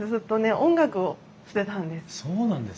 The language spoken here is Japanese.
音楽をしてたんです。